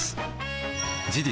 事実